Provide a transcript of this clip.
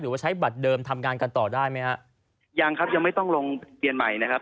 ว่าใช้บัตรเดิมทำงานกันต่อได้ไหมฮะยังครับยังไม่ต้องลงเปลี่ยนใหม่นะครับ